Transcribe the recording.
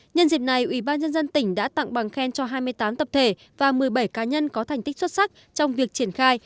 nhân dịp này ubnd tỉnh đã tặng bằng khen cho hai mươi tám tập thể và một mươi bảy cá nhân có thành tích xuất sắc trong việc triển khai